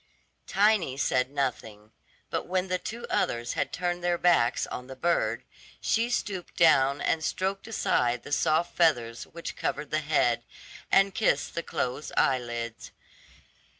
Tiny said nothing; but when the two others had turned their backs on the bird, she stooped down and stroked aside the soft feathers which covered the head, and kissed the closed eyelids.